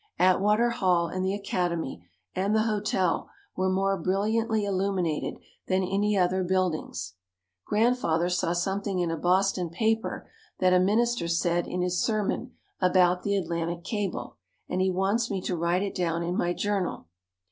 Atwater hall and the academy and the hotel were more brilliantly illuminated than any other buildings. Grandfather saw something in a Boston paper that a minister said in his sermon about the Atlantic cable and he wants me to write it down in my journal.